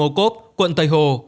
ô cốp quận tây hồ